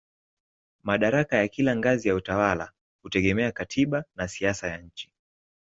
Madaraka ya kila ngazi ya utawala hutegemea katiba na siasa ya nchi.